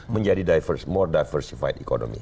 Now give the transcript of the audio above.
menjadi ekonomi yang lebih berdiversifikasi